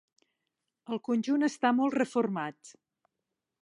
El conjunt està molt reformat.